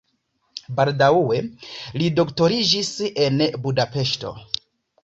Baldaŭe li doktoriĝis en Budapeŝto.